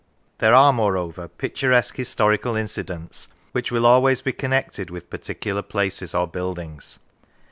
There are, moreover, picturesque historical incidents which will always be connected with particular places or buildings.